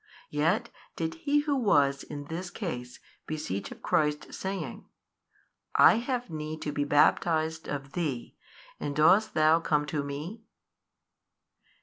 Yet did he who was in this case beseech of Christ saying, I have need to be baptized of Thee and dost THOU come to Me?